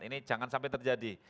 ini jangan sampai terjadi